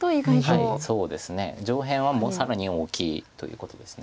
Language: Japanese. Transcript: そうですね上辺は更に大きいということです。